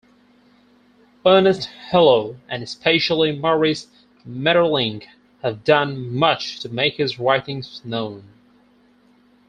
Ernest Hello and especially Maurice Maeterlinck have done much to make his writings known.